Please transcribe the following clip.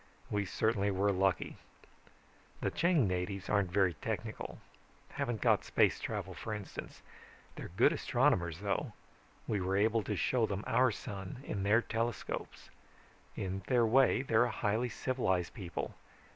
We certainly were lucky. "The Chang natives aren't very technical haven't got space travel for instance. They're good astronomers, though. We were able to show them our sun, in their telescopes. In their way, they're a highly civilized people.